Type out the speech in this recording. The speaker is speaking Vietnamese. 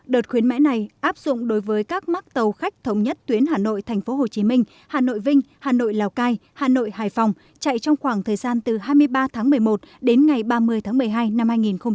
đợt khuyến mại này áp dụng đối với các mắc tàu khách thống nhất tuyến hà nội tp hcm hà nội vinh hà nội lào cai hà nội hải phòng chạy trong khoảng thời gian từ hai mươi ba tháng một mươi một đến ngày ba mươi tháng một mươi hai năm hai nghìn hai mươi